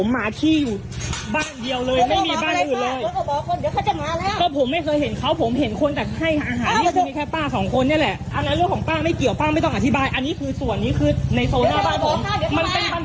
มันเป็นปัญหาของผมมันเป็นปัญหาของผม